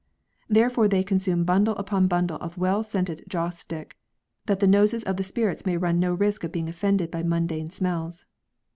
Therefore they consume bundle upon bundle of well scented joss stick, that the noses of the spirits may run no risk of being oflfended by mundane smells.